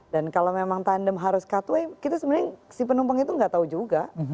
dan kalau memang tandem harus cut way kita sebenarnya si penumpang itu nggak tahu juga